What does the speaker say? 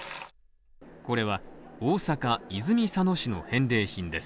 これは、大阪泉佐野市の返礼品です。